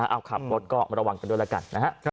เอาขับรถก็ระวังกันด้วยแล้วกันนะครับ